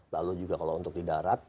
lalu juga kalau untuk di darat